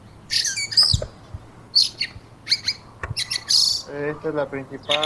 Torero muy artista y de asombrosa composición.